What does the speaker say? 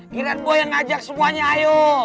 kirain gua yang ngajak semuanya ayo